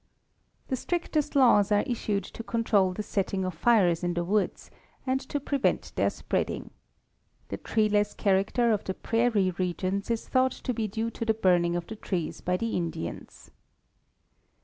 The strictest laws are issued to control the setting of fires in the woods, and to prevent their spreading. The treeless character of the prairie regions is thought to be due to the burning of the trees by the Indians.